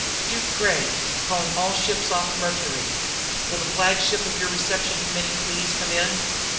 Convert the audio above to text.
"Duke Gray, calling all ships off Mercury. Will the flagship of your reception committee please come in?"